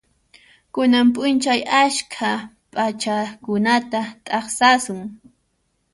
Kunan p'unchay askha p'achakunata t'aqsasun.